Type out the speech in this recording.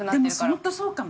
でも本当そうかも。